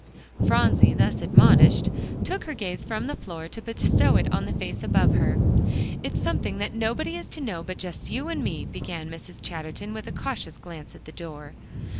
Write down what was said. Phronsie, thus admonished, took her gaze from the floor, to bestow it on the face above her. "It's something that nobody is to know but just you and me," began Mrs. Chatterton, with a cautious glance at the door.